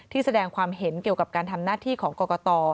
แสดงความเห็นเกี่ยวกับการทำหน้าที่ของกรกต